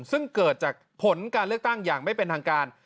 ซึ่งเกิดจากผลการเลือกตั้งอย่างไม่เป็นทางการ